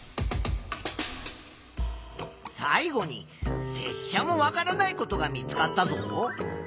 最後にせっしゃもわからないことが見つかったぞ。